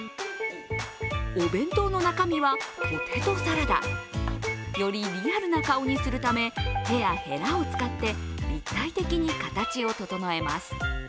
お弁当の中身はポテトサラダ。よりリアルな顔にするため手はへらを使って立体的に形を整えます。